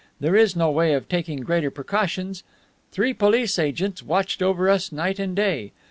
There is no way of taking greater precautions. Three police agents watched over us night and day.